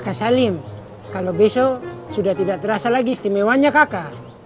kakak salim kalau besok sudah tidak terasa lagi istimewanya kakak